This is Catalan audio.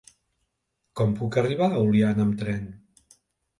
Com puc arribar a Oliana amb tren?